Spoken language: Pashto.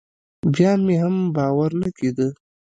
بيا مې هم باور نه کېده.